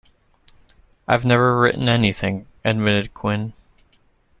"I've never written anything," admitted Quinn.